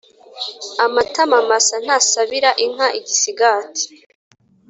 Amatama masa ntasabira inka igisigati